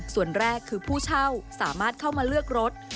ส่วนแรกคือผู้เช่าสามารถเข้ามาเลือกรถ